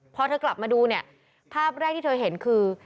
พอเธอกลับมาดูเนี่ยภาพแรกที่เธอเห็นคือ